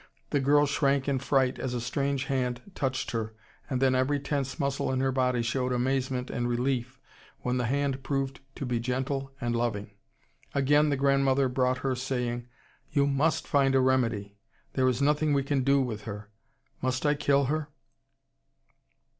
The girl shrank in fright as a strange hand touched her and then every tense muscle in her body showed amazement and relief when the hand proved to be gentle and loving. Again the grandmother brought her, saying, "You must find a remedy. There is nothing we can do with her. Must I kill her?"